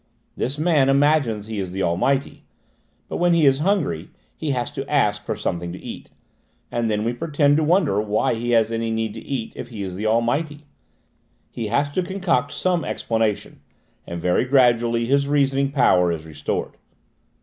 This man imagines he is the Almighty, but when he is hungry he has to ask for something to eat, and then we pretend to wonder why he has any need to eat if he is the Almighty; he has to concoct some explanation, and very gradually his reasoning power is restored.